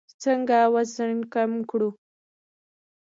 څنګه وزن کم کړو؟